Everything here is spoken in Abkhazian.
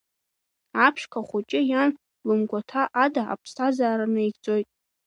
Аԥшқа хәыҷы иан лымгәаҭа ада аԥсҭазаара наигӡоит.